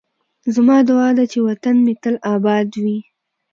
زما دعا ده چې وطن مې تل اباد